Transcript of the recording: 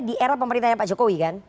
di era pemerintahnya pak jokowi kan